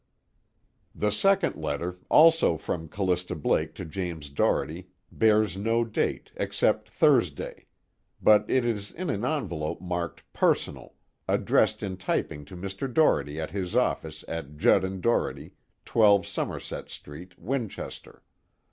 The second letter, also from Callista Blake to James Doherty, bears no date except Thursday, but it is in an envelope marked PERSONAL, addressed in typing to Mr. Doherty at his office at Judd and Doherty, 12 Somerset Street, Winchester.